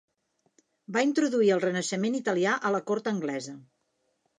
Va introduir el Renaixement italià a la cort anglesa.